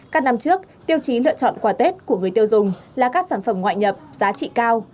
các năm trước tiêu chí lựa chọn quà tết của người tiêu dùng là các sản phẩm ngoại nhập giá trị cao